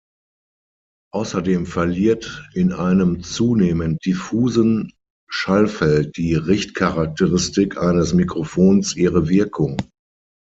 Außerdem verliert in einem zunehmend diffusen Schallfeld die Richtcharakteristik eines Mikrofons ihre Wirkung.